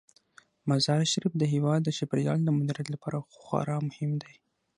مزارشریف د هیواد د چاپیریال د مدیریت لپاره خورا مهم دی.